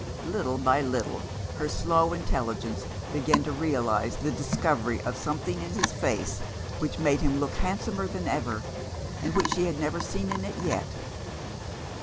Little by little, her slow intelligence began to realise the discovery of something in his face which made him look handsomer than ever, and which she had never seen in it yet.